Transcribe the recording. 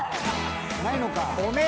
ないのか？